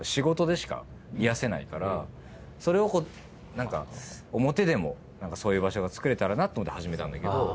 何か表でもそういう場所がつくれたらなと思って始めたんだけど。